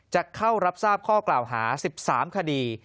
จะเข้ารับทราบข้อกล่าวหา๑๓คดี